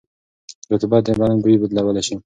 رطوبت د بدن بوی بدلولی شي.